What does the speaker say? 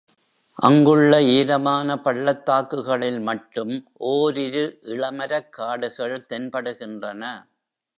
அங்குள்ள ஈரமான பள்ளத்தாக்குகளில் மட்டும் ஓரிரு இளமரக்காடுகள் தென்படுகின்றன.